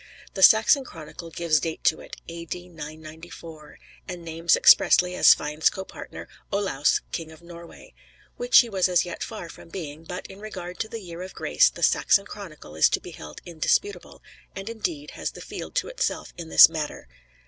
The "Saxon Chronicle" gives date to it, A.D. 994, and names expressly, as Svein's copartner, "Olaus, King of Norway," which he was as yet far from being; but in regard to the Year of Grace the "Saxon Chronicle" is to be held indisputable, and, indeed, has the field to itself in this matter.